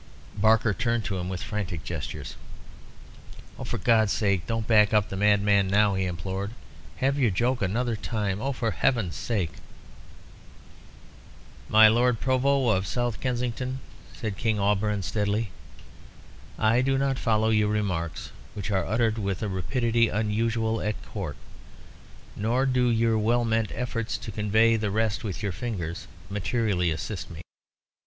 Barker turned to him with frantic gestures. "For God's sake don't back up the madman now," he implored. "Have your joke another time. Oh, for Heaven's sake " "My Lord Provost of South Kensington," said King Auberon, steadily, "I do not follow your remarks, which are uttered with a rapidity unusual at Court. Nor do your well meant efforts to convey the rest with your fingers materially assist me.